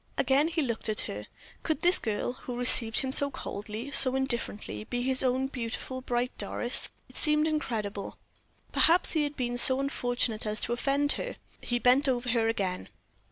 Again he looked at her. Could this girl, who received him so coldly, so indifferently, be his own beautiful, bright Doris? It seemed incredible. Perhaps he had been so unfortunate as to offend her. He bent over her again.